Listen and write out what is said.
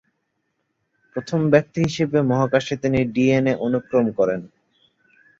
প্রথম ব্যক্তি হিসেবে মহাকাশে তিনি ডিএনএ অনুক্রম করেন।